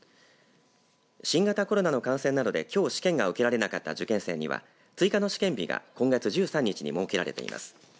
新型コロナの感染などできょう試験が受けられなかった受験生には追加の試験日が今月１３日に設けられています。